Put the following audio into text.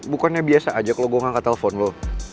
bukannya biasa ajak lo gue angkat telpon lo